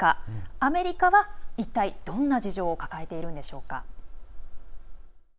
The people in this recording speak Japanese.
アメリカは、一体、どんな事情を抱えているんでしょうか。